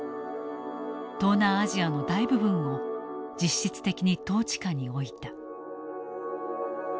東南アジアの大部分を実質的に統治下に置いた。